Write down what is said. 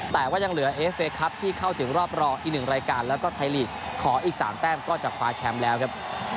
แต่ว่ายังเหลือเอฟเคครับที่เข้าถึงรอบรองอีก๑รายการแล้วก็ไทยลีกขออีก๓แต้มก็จะคว้าแชมป์แล้วครับ